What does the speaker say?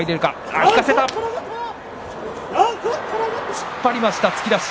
突っ張りました、突き出し。